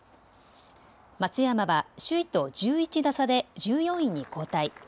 松山は首位と１１打差で１４位に後退。